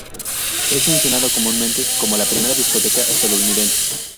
Es mencionado comúnmente como la primera discoteca estadounidense.